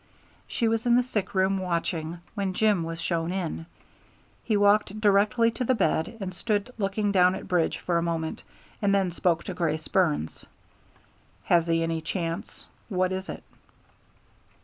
She was in the sick room watching, when Jim was shown in. He walked directly to the bed and stood looking down at Bridge for a moment, and then spoke to Grace Burns. "Has he any chance? What is it?"